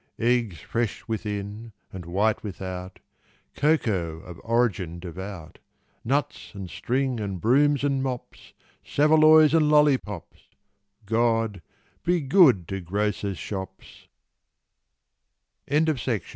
Eggs fresh within and white without Cocoa of origin devout Nuts and string and brooms and mops Saveloys and lollipops — God, be good to gr